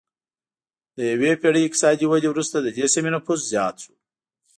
له یوې پېړۍ اقتصادي ودې وروسته د دې سیمې نفوس زیات شو